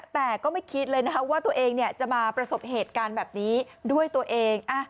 แต่ก็ไม่คิดเลยนะคะว่าตัวเองจะมาประสบเหตุการณ์แบบนี้ด้วยตัวเอง